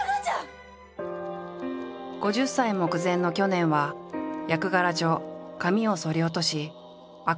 ５０歳目前の去年は役柄上髪をそり落とし飽く